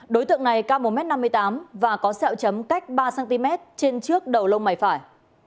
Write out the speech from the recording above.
đối tượng này ca một m năm mươi tám và có dẹo chấm cách ba cm trên trước đầu lông bảy phải